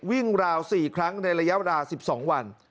วิ่งราวสี่ครั้งในระยะวดาสิบสองวัน